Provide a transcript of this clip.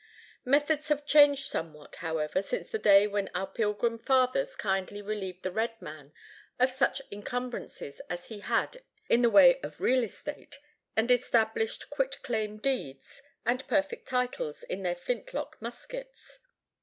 Methods have changed somewhat, however, since the day when our pilgrim fathers kindly relieved the Red man of such encumbrances as he had in the way of real estate, and established quit claim deeds and perfect titles in their flint lock muskets.